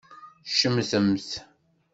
Tcemtemt.